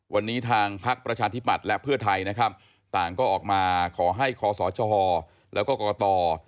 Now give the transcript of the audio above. วันนี้ทางพักประชาธิบัติและเพื่อไทยนะครับต่างก็ออกมาขอให้คศชแล้วก็กรกต